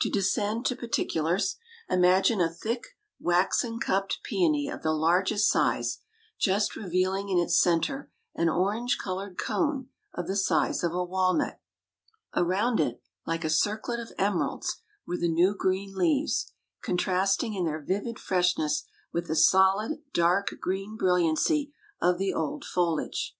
To descend to particulars, imagine a thick, waxen cupped peony of the largest size, just revealing in its centre an orange colored cone of the size of a walnut. Around it, like a circlet of emeralds, were the new green leaves, contrasting in their vivid freshness with the solid, dark green brilliancy of the old foliage.